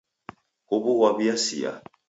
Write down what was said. Huw'u ghaw'iasia.